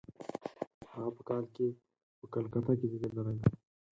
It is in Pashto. هغه په کال کې په کلکته کې زېږېدلی دی.